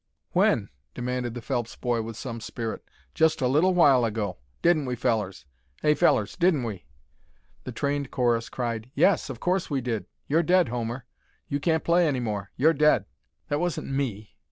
"When?" demanded the Phelps boy, with some spirit. "Just a little while ago. Didn't we, fellers? Hey, fellers, didn't we?" The trained chorus cried: "Yes, of course we did. You're dead, Homer. You can't play any more. You're dead." "That wasn't me.